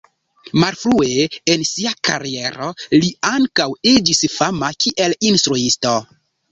Malfrue en sia kariero li ankaŭ iĝis fama kiel instruisto.